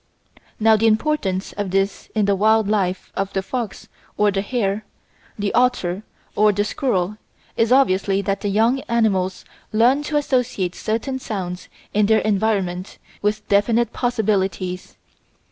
Now the importance of this in the wild life of the fox or the hare, the otter or the squirrel, is obviously that the young animals learn to associate certain sounds in their environment with definite possibilities.